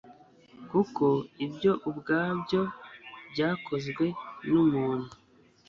kuko byo ubwabyo byakozwe n'umuntu